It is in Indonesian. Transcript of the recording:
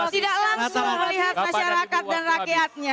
tidak langsung melihat masyarakat dan rakyatnya